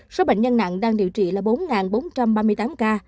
số bệnh nhân nặng đang điều trị là bốn bốn trăm ba mươi tám ca